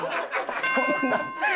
そんな。